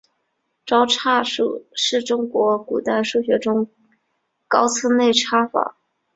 招差术是中国古代数学中的高次内插法。